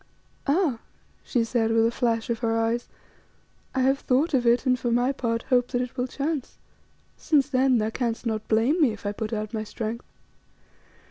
"Ah!" she said, with a flash of her eyes. "I have thought of it, and for my part hope that it will chance, since then thou canst not blame me if I put out my strength.